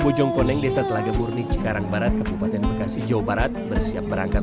bojongkoneng desa telaga murni cikarang barat kabupaten bekasi jawa barat bersiap berangkat